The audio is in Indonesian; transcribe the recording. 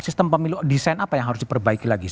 sistem pemilu desain apa yang harus diperbaiki lagi